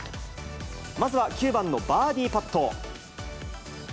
まずは９番のバーディーパット。